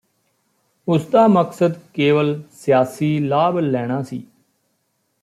ਉਸਦਾ ਮਕਸਦ ਕੇਵਲ ਸਿਆਸੀ ਲਾਭ ਲੈਣਾ ਸੀ